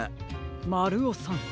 まるおさん。